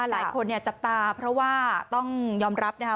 หลายคนเนี่ยจับตาเพราะว่าต้องยอมรับนะคะ